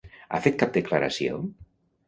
Ha fet cap declaració?